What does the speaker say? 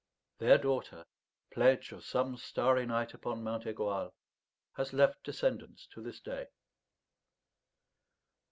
Their daughter, pledge of some starry night upon Mount Aigoal, has left descendants to this day.